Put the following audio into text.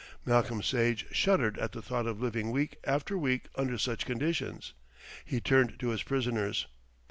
Malcolm Sage shuddered at the thought of living week after week under such conditions. He turned to his prisoners.